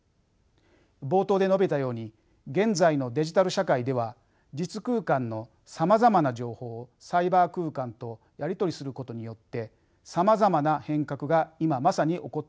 冒頭で述べたように現在のデジタル社会では実空間のさまざまな情報をサイバー空間とやり取りすることによってさまざまな変革が今まさに起こっています。